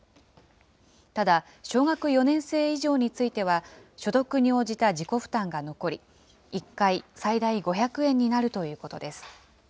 ただ、小学４年生以上については、所得に応じた自己負担が残り、１回最大５００円になるということです。